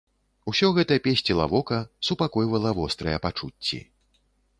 Усё гэта песціла вока, супакойвала вострыя пачуцці.